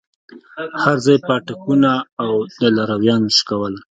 هرځاى پاټکونه او د لارويانو شکول.